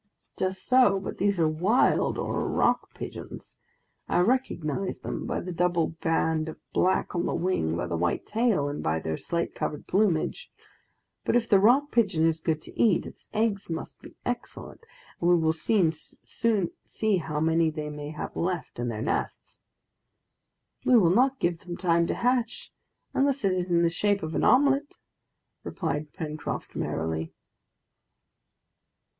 "Just so, but these are wild or rock pigeons. I recognize them by the double band of black on the wing, by the white tail, and by their slate colored plumage. But if the rock pigeon is good to eat, its eggs must be excellent, and we will soon see how many they may have left in their nests!" "We will not give them time to hatch, unless it is in the shape of an omelet!" replied Pencroft merrily.